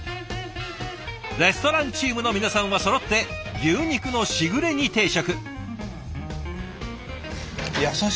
レストランチームの皆さんはそろって牛肉のしぐれ煮定食。